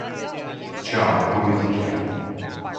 This was the foundation for a lasting sporting career.